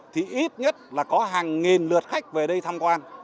thì ít nhất là có hàng nghìn lượt khách về đây tham quan